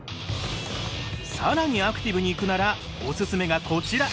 更にアクティブにいくならオススメがこちら！